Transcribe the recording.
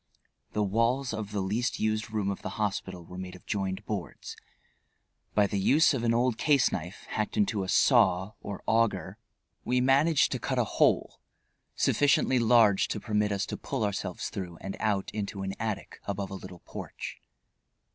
The walls of the least used room of the hospital were made of joined boards. By the use of an old case knife, hacked into a saw, or auger, we managed to cut a hole sufficiently large to permit us to pull ourselves through and out into an attic above a little porch.